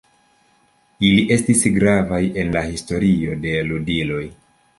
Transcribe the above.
Ili estis gravaj en la historio de ludiloj.